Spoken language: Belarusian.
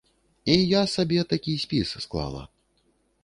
І я сабе такі спіс склала.